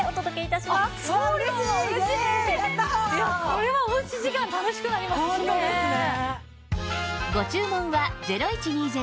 これはおうち時間楽しくなりますしね！